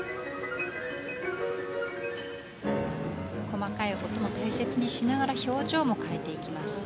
細かい音も大切にしながら表情も変えていきます。